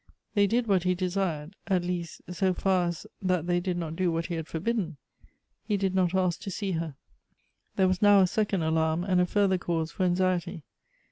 They did what he desired ; at least, so far as that they did not do what he had forbidden. He did not ask to see her. There was now a second alarm, and a further cause for anxiety.